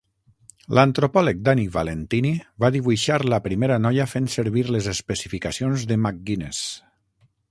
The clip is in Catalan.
L'antropòleg Danny Valentini va dibuixar la primera noia fent servir les especificacions de McGuinness.